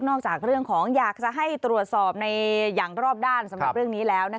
จากเรื่องของอยากจะให้ตรวจสอบในอย่างรอบด้านสำหรับเรื่องนี้แล้ว